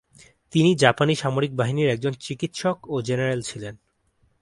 তিনি জাপানি সামরিক বাহিনীর একজন চিকিৎসক ও জেনারেল ছিলেন।